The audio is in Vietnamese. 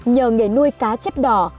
nhờ nghề nuôi cá chép đỏ